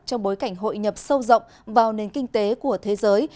trong bối cảnh hội nhập sâu rộng vào nền kinh tế của thế giới